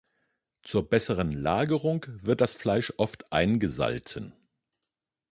Zur besseren Lagerung wird das Fleisch oft eingesalzen.